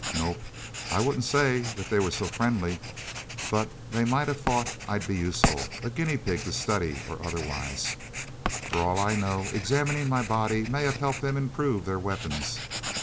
Nope, I wouldn't say that they were so friendly, but they might have thought I'd be useful a guinea pig to study and otherwise. For all I know, examining my body may have helped them improve their weapons...